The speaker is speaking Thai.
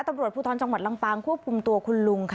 ตำรวจภูทรจังหวัดลำปางควบคุมตัวคุณลุงค่ะ